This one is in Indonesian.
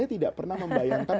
saya tidak pernah membayangkan